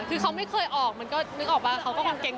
คือเขาไม่เคยออกมันก็นึกออกว่าเขาก็กางเกง